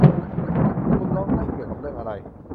คุณร้องไห้เกี่ยวกับเรื่องอะไร